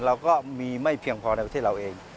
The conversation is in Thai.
เราก็มีไม่เพียงพอในประเทศเราเอง